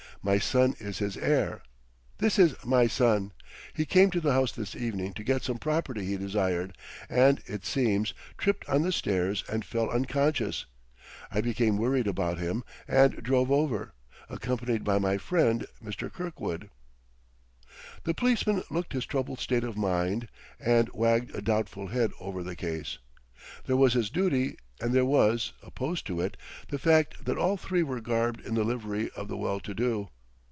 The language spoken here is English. My son is his heir. This is my son. He came to the house this evening to get some property he desired, and it seems tripped on the stairs and fell unconscious. I became worried about him and drove over, accompanied by my friend, Mr. Kirkwood." The policeman looked his troubled state of mind, and wagged a doubtful head over the case. There was his duty, and there was, opposed to it, the fact that all three were garbed in the livery of the well to do.